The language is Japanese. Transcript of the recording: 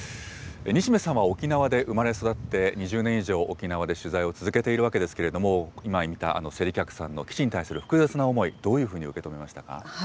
西銘さんは沖縄で生まれ育って、２０年以上、沖縄で取材を続けているわけですけれども、今見た、勢理客さんの基地に対する複雑な思い、どういうふうに受け止めましたか？